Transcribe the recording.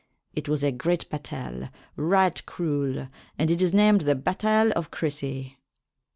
It was a great batayle, ryght cruell, and it is named the batayle of Cressey.